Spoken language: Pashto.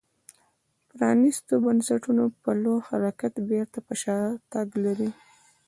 پرانیستو بنسټونو په لور حرکت بېرته پر شا تګ لري